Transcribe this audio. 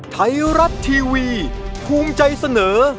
ไทยรัฐทีวีภูมิใจเสนอ